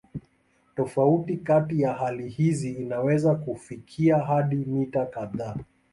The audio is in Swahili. Tofauti kati ya hali hizi inaweza kufikia hadi mita kadhaa.